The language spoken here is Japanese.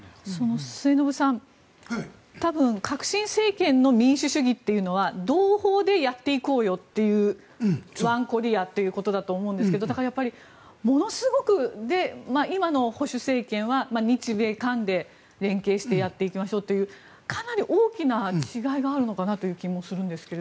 末延さん、多分革新政権の民主主義というのは同胞でやっていこうよというワンコリアということだと思うんですが今の保守政権は日米韓で連携してやっていきましょうというかなり大きな違いがあるのかなという気がするんですが。